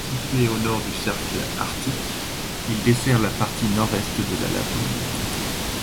Situé au nord du Cercle Arctique, il dessert la partie nord-est de la Laponie.